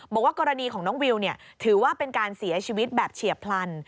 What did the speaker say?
บอกว่ากรณีของน้องวิวถือว่าเป็นการเสียชีวิตแบบเฉียบพลัน